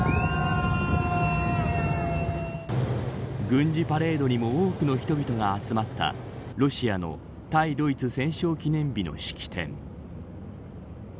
軍事パレードにも多くの人々が集まったロシアの対ドイツ戦勝記念日の式典。